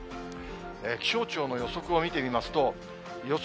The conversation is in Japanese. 気象庁の予測を見てみますと、予想